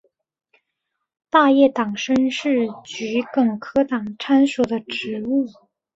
大叶党参是桔梗科党参属的植物。